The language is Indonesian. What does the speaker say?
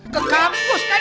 ke kampus kan